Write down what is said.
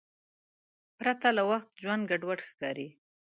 پرته له وخت ژوند ګډوډ ښکاري.